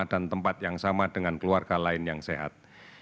dan tempat yang sama dengan keluarga lain yang sehat